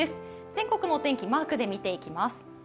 全国のお天気、マークで見ていきます。